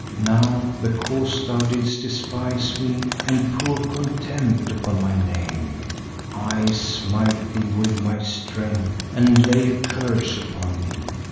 Now because thou didst despise me and pour contempt upon my name, I smite thee with my strength and lay a curse upon thee.